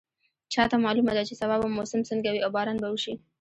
چا ته معلومه ده چې سبا به موسم څنګه وي او باران به وشي